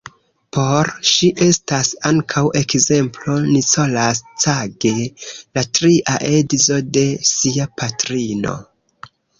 Por ŝi estas ankaŭ ekzemplo Nicolas Cage, la tria edzo de sia patrino.